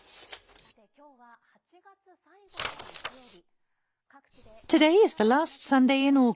さて、きょうは８月最後の日曜日。